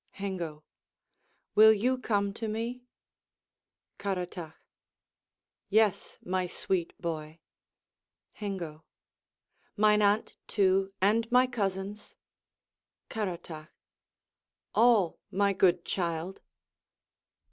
Hengo Will you come to me? Caratach Yes, my sweet boy. Hengo Mine aunt too, and my cousins? Caratach All, my good child.